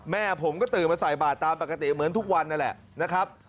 แม่ผมก็ตื่นมาใส่บาทตามปกติเหมือนทุกวันนั่นแหละนะครับ